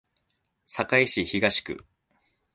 堺市東区